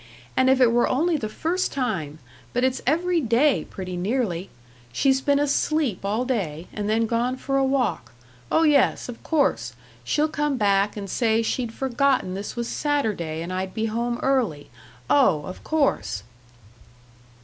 And if it were only the first time ! But it's every day, pretty nearly. She's been asleep all day, and then gone for a walk. Oh yes, of course! She'll come back and say she'd forgotten this was Saturday and I'd be home early! Oh, of course!"